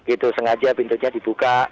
itu sengaja pintunya dibuka